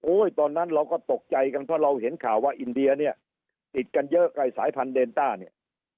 ตอนนั้นเราก็ตกใจกันเพราะเราเห็นข่าวว่าอินเดียเนี่ยติดกันเยอะกับสายพันธุเดนต้าเนี่ย